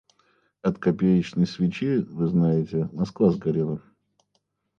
От копеечной свечи, вы знаете, Москва сгорела.